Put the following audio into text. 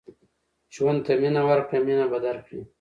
ژوند ته مینه ورکړه مینه به درکړي